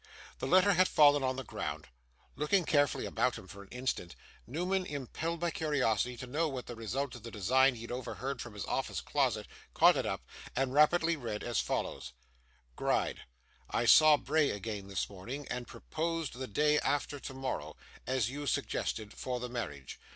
The letter had fallen on the ground. Looking carefully about him for an instant, Newman, impelled by curiosity to know the result of the design he had overheard from his office closet, caught it up and rapidly read as follows: 'GRIDE. 'I saw Bray again this morning, and proposed the day after tomorrow (as you suggested) for the marriage.